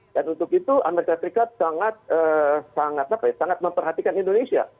dan untuk itu amerika serikat sangat sangat apa ya sangat memperhatikan indonesia